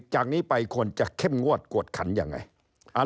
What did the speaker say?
จากนี้ไปควรจะเข้มงวดกวดขันยังไง